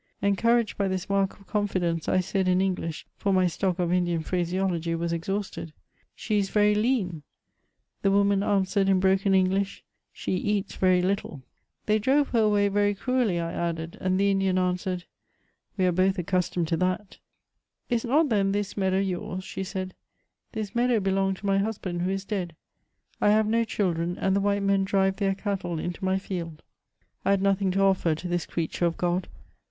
Encouraged by this mark of confidence, I said in English, for my stock of Indian phraseology was exhausted, " She is very leanT The woman answered, in broken English, " She eats very little P* " They drove her away very cruelly^' I added; and the Indian answered, " We are both accustomed to that,*^ " Is not then, this meadow yours T* She said, " This meadow belonged to my husband, who is dead; I have no children, and the white men drive their cattle into my^eld" 1 had nothing to offer to this creature of God.